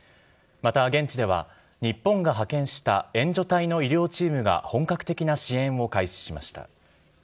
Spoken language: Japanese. また現地では、日本が派遣した援助隊の医療チームが、本格的な支援を開始しました。